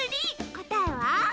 こたえは？